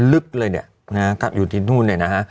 ลึกเลยเนี่ยนะอยู่ทิ้งนู้นเนี่ยนะ